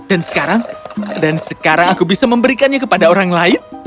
dan sekarang dan sekarang aku bisa memberikannya kepada orang lain